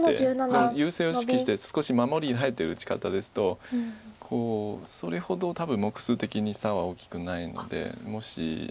でも優勢を意識して少し守りに入ってる打ち方ですとこうそれほど多分目数的に差は大きくないのでもし。